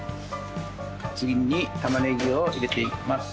次に玉ねぎを入れていきます。